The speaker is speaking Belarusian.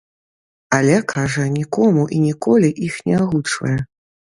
Але, кажа, нікому і ніколі іх не агучвае.